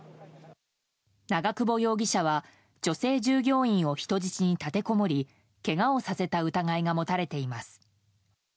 長久保容疑者は女性従業員を人質に立てこもりけがをさせた疑いが持たれています。